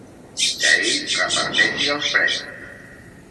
Que ell reparteixi els premis.